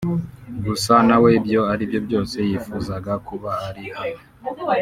Gusa nawe ibyo aribyo byose yifuzaga kuba ari hano